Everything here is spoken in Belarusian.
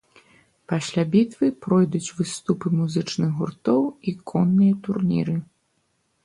Пасля бітвы пройдуць выступы музычных гуртоў і конныя турніры.